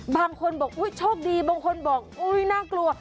บางคนบอกอุ๊ยโชคดีบางคนบอกอุ๊ยน่ากลัว